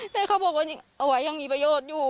แต่เขาบอกว่าเอาไว้ยังมีประโยชน์อยู่